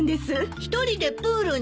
１人でプールに？